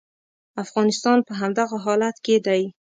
افغانستان په همدغه حالت کې دی.